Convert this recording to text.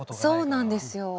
そうなんですよ。